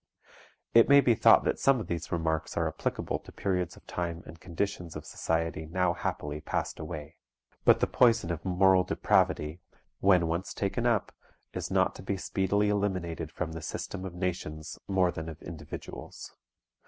It may be thought that some of these remarks are applicable to periods of time and conditions of society now happily passed away. But the poison of moral depravity, when once taken up, is not to be speedily eliminated from the system of nations more than of individuals.